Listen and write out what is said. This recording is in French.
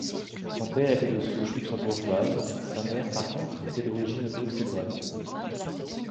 Son père était de souche luxembourgeoise, sa mère par contre était d'origine bruxelloise.